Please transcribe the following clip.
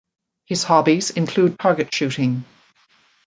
His hobbies include target shooting.